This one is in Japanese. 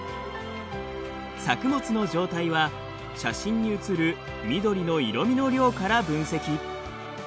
作物の状態は写真に写る緑の色みの量から分析。